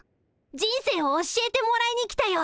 人生を教えてもらいに来たよ。